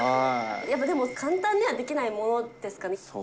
やっぱりでも簡単にはできないものですかね。